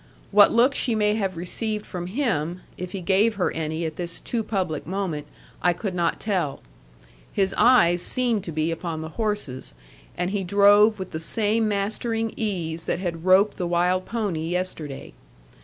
What look she may have received from him, if he gave her any at this too public moment, I could not tell. His eyes seemed to be upon the horses, and he drove with the same mastering ease that had roped the wild pony yesterday.